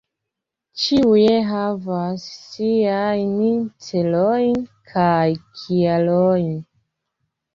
Ĉiuj havas siajn celojn, kaj kialojn.